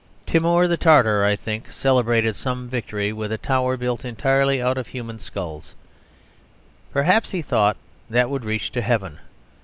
Timour the Tartar, I think, celebrated some victory with a tower built entirely out of human skulls; perhaps he thought that would reach to heaven.